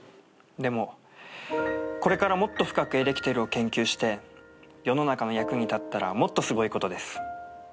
でもこれからもっと深くエレキテルを研究して世の中の役に立ったらもっとすごいことです。